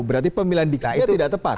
berarti pemilihan diksinya tidak tepat